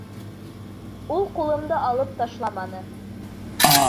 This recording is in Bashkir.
Ул ҡулымды алып ташламаны.